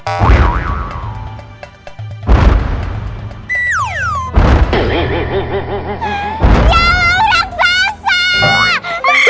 ya allah urak basah